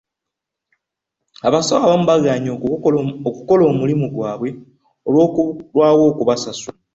Abasawo abamu baagaanye okukola omulimu gwabwe olw'okulwawo okubasasula.